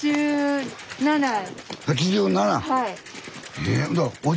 はい。